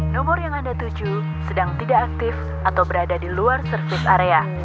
nomor yang anda tuju sedang tidak aktif atau berada di luar service area